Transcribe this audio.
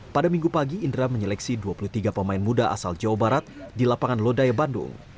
pada minggu pagi indra menyeleksi dua puluh tiga pemain muda asal jawa barat di lapangan lodaya bandung